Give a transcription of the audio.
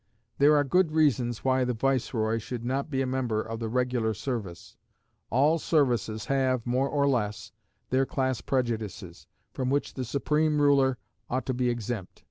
There are good reasons why the viceroy should not be a member of the regular service. All services have, more or less, their class prejudices, from which the supreme ruler ought to be exempt.